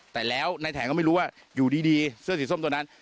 แต่แล้วในแงนก็ไม่รู้ว่าอยู่ดีเสื้อสีส้มตัวนั้น